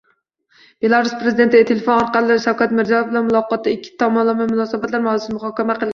Belarus prezidenti telefon orqali Shavkat Mirziyoyev bilan muloqotda ikki tomonlama munosabatlar mavzusini muhokama qilgan